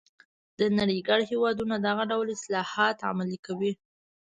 د نړۍ ګڼ هېوادونه دغه ډول اصلاحات عملي کوي.